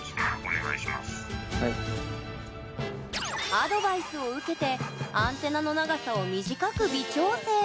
アドバイスを受けてアンテナの長さを短く微調整。